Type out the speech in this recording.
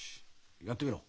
やってみろ。